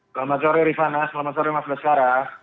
selamat sore rifana selamat sore mas baskara